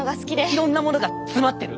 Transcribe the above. いろんなものが詰まってる？